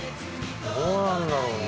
どうなんだろうね。